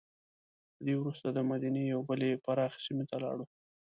له دې وروسته دمدینې یوې بلې پراخې سیمې ته لاړو.